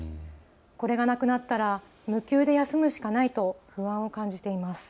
これがなくなったら無給で休むしかないと不安を感じています。